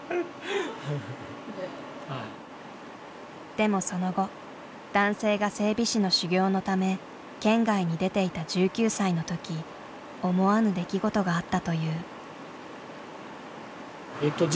でもその後男性が整備士の修業のため県外に出ていた１９歳の時思わぬ出来事があったという。